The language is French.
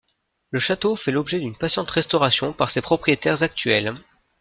Le château fait l'objet d'une patiente restauration par ses propriétaires actuels.